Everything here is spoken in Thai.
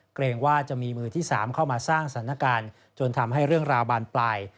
เกรงว่าจะมีมือที่๓เข้ามาสร้างสถานการณ์จนทำให้เรื่องราวบานปลาย